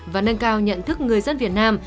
và nâng cao nhận thức người dân việt nam